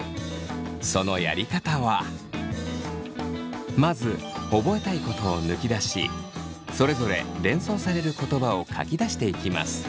そのやり方はまず覚えたいことを抜き出しそれぞれ連想される言葉を書き出していきます。